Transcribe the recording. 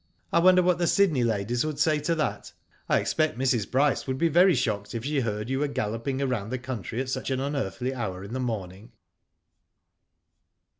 *' I wonder what the Sydney ladies would say to that. I expect Mrs. Bryce would be very shocked if she heard you were galloping about the country at such an unearthly houf in the morning."